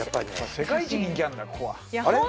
世界一人気あるなここはあれ？